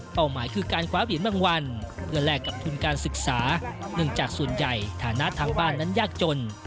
หมายคือการคว้าเหรียญบางวันเพื่อแลกกับทุนการศึกษาเนื่องจากส่วนใหญ่ฐานะทางบ้านนั้นยากจน